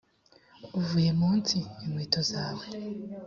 uvuye mu nsi, inkweto zawe